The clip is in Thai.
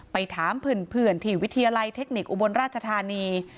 ไปถามเพื่อนที่วิทยาลัยเทคนิคอุบลราชธานี